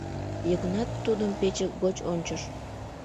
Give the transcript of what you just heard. Йыгнат тудым пече гоч ончыш.